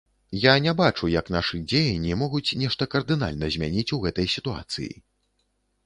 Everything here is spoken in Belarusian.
Я не бачу, як нашы дзеянні могуць нешта кардынальна змяніць у гэтай сітуацыі.